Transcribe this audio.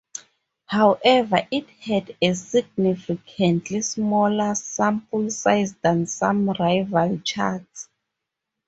However, it had a significantly smaller sample size than some rival charts.